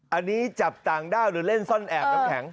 อันนี้จับต่างด้าวหรือเล่นซ่อนแอบน้ำแข็ง